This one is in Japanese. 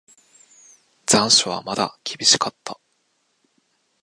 残暑はまだ厳しかった。